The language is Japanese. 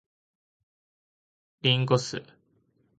林檎酢